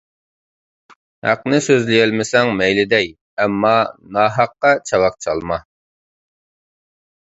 ھەقنى سۆزلىيەلمىسەڭ مەيلى دەي، ئەمما ناھەققە چاۋاك چالما!